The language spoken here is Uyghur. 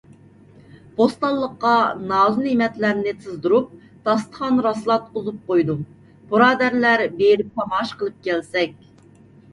بوستانلىققا نازۇنېمەتلەرنى تىزدۇرۇپ، داستىخان راسلاتقۇزۇپ قويدۇم. بۇرادەرلەر، بېرىپ تاماشا قىلىپ كەلسەك.